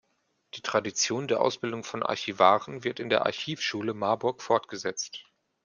Die Tradition der Ausbildung von Archivaren wird in der Archivschule Marburg fortgesetzt.